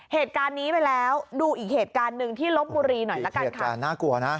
เหตุการณ์นี้ไปแล้วดูอีกเหตุการณ์หนึ่งที่ลบบุรีหน่อยละกันเหตุการณ์น่ากลัวนะ